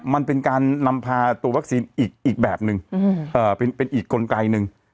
มันเป็นการนำพาตัววัคซีนอีกอีกแบบหนึ่งอืมเอ่อเป็นเป็นอีกกลไกนึง